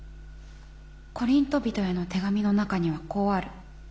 コリント人への手紙の中にはこうある。